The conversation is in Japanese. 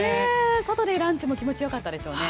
外でランチも気持ち良かったでしょうね！